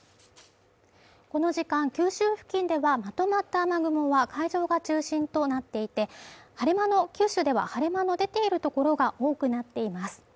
この時間、九州付近ではまとまった雨雲は海上が中心となっていて、九州では晴れ間の出ているところが多くなっています。